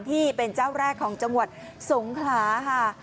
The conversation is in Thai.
ที่เป็นเจ้าแรกของจังหวัดสงขลาค่ะ